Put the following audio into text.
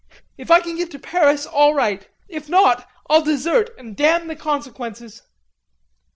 If I can get to Paris, all right. If not, I'll desert and damn the consequences."